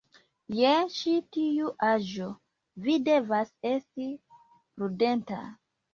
Je ĉi tiu aĝo, vi devas esti prudenta.